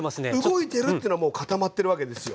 動いてるっつうのはもう固まってるわけですよ。